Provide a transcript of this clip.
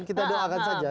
kita doakan saja